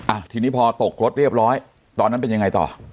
อ่ะทีนี้พอตกรถเรียบร้อยตอนนั้นเป็นยังไงต่อ